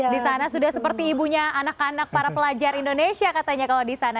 di sana sudah seperti ibunya anak anak para pelajar indonesia katanya kalau di sana